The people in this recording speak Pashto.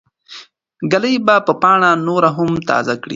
ږلۍ به پاڼه نوره هم تازه کړي.